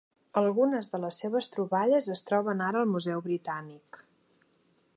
Algunes de les seves troballes es troben ara al museu britànic.